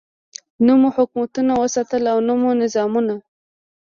نه مو حکومتونه وساتل او نه مو نظامونه.